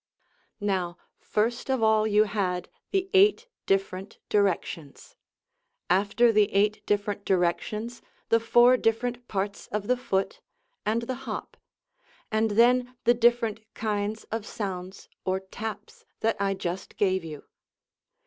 Now, first of all you had the eight different directions; after the eight different directions the four different parts of the foot and the "hop," and then the different kinds of sounds or taps that I just gave you.